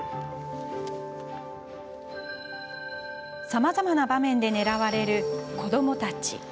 さまざまな場面で狙われる子どもたち。